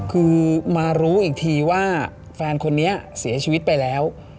คือมารู้อีกทีว่าแฟนคนนี้เสียชีวิตไปแล้ว